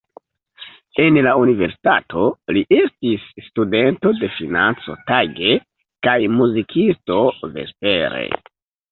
En la universitato li estis studento de financo tage kaj muzikisto vespere.